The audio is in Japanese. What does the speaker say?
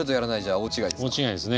大違いですね。